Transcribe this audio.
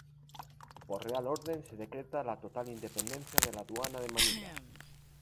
Por Real Orden se decreta la total independencia de la Aduana de Manila.